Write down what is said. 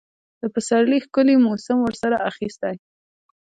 د پسرلي ښکلي موسم ورسره اخیستی.